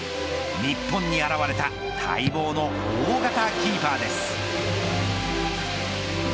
日本に現れた待望の大型キーパーです。